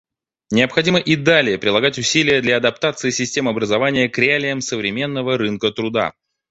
Необходимо и далее прилагать усилия для адаптации систем образования к реалиям современного рынка труда.